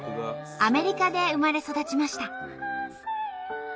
アメリカで生まれ育ちました。